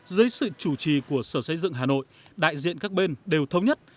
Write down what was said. dưới sự chủ trì của sở xây dựng hà nội đại diện các bên đều thống nhất